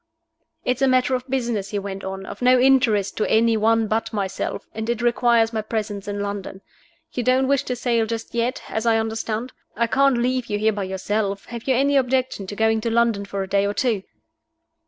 "It's a matter of business," he went on, "of no interest to any one but myself, and it requires my presence in London. You don't wish to sail just yet, as I understand? I can't leave you here by yourself. Have you any objection to going to London for a day or two?"